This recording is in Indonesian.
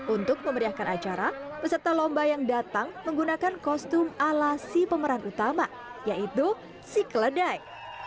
untuk memeriahkan acara peserta lomba yang datang menggunakan kostum ala si pemeran utama yaitu si keledai